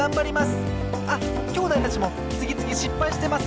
あっきょうだいたちもつぎつぎしっぱいしてます。